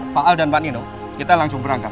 pak al dan mbak nino kita langsung berangkat